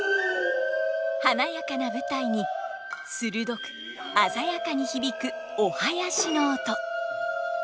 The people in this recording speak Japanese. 華やかな舞台に鋭く鮮やかに響くお囃子の音。